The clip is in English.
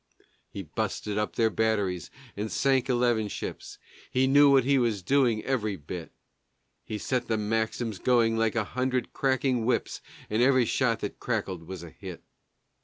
He busted up their batteries and sank eleven ships (He knew what he was doing, every bit); He set the Maxims going like a hundred cracking whips, And every shot that crackled was a hit.